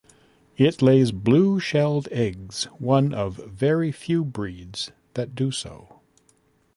It lays blue-shelled eggs, one of very few breeds that do so.